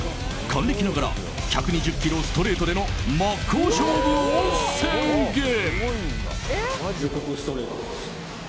還暦ながら１２０キロ、ストレートでの真っ向勝負を宣言！